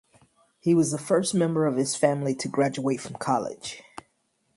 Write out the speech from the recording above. He was the first member of his family to graduate from college.